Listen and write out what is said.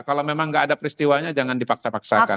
kalau memang nggak ada peristiwanya jangan dipaksa paksakan